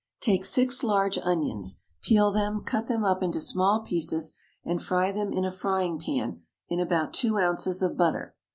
Take six large onions, peel them, cut them up into small pieces, and fry them in a frying pan in about two ounces of butter.